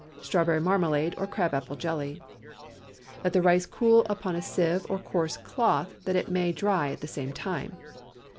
Strawberry marmalade or crab apple jelly. Let the rice cool upon a sieve or coarse cloth, that it may dry at the same time.